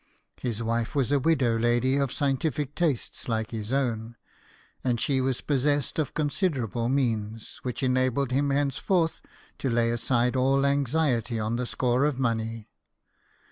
His wife was a widow lady of scientific tastes like his own, and she was possessed of considerable means, which enabled him henceforth to lay aside all anxiety on the score of money.